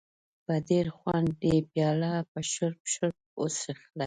په ډېر خوند یې پیاله په شړپ شړپ وڅښله.